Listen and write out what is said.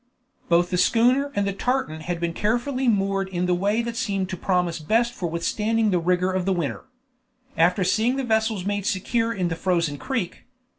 Both the schooner and the tartan had been carefully moored in the way that seemed to promise best for withstanding the rigor of the winter. After seeing the vessels made secure in the frozen creek.